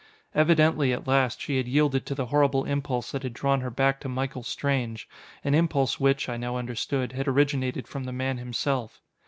Evidently, at last, she had yielded to the horrible impulse that had drawn her back to Michael Strange, an impulse which, I now understood, had originated from the man himself.